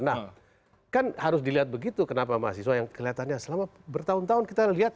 nah kan harus dilihat begitu kenapa mahasiswa yang kelihatannya selama bertahun tahun kita lihat